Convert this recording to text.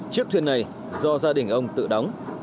chiếc thuyền này do gia đình ông tự đóng